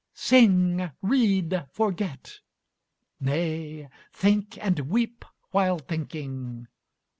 Sing, read, forget; nay, think and weep while thinking.